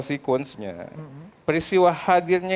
sekunsenya peristiwa hadirnya